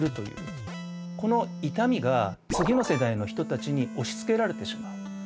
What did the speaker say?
この痛みが次の世代の人たちに押しつけられてしまう。